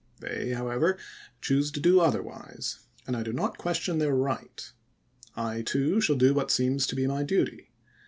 They, however, choose to do otherwise, and I do not question their right. I too shall aia° .^d!' do what seems to be my duty.